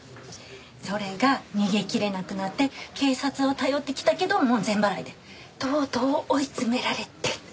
それが逃げ切れなくなって警察を頼ってきたけど門前払いでとうとう追い詰められて。